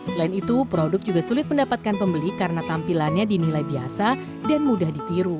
selain itu produk juga sulit mendapatkan pembeli karena tampilannya dinilai biasa dan mudah ditiru